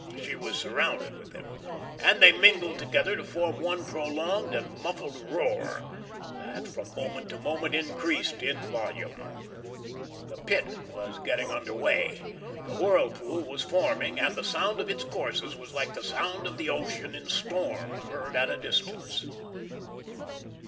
She was surrounded with them, and they mingled together to form one prolonged and muffled roar, that from moment to moment increased in volume. The Pit was getting under way; the whirlpool was forming, and the sound of its courses was like the sound of the ocean in storm, heard at a distance.